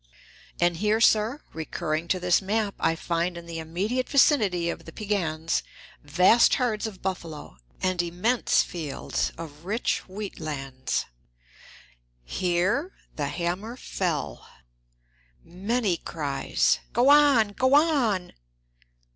And here, sir, recurring to this map, I find in the immediate vicinity of the Piegans "vast herds of buffalo" and "immense fields of rich wheat lands." (Here the hammer fell.) (Many cries: "Go on!" "Go on!")